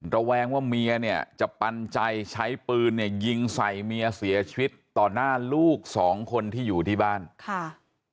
ระแวงว่าเมียเนี่ยจะปันใจใช้ปืนเนี่ยยิงใส่เมียเสียชีวิตต่อหน้าลูกสองคนที่อยู่ที่บ้านค่ะ